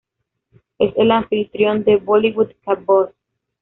Es el anfitrión de "Bollywood Ka Boss".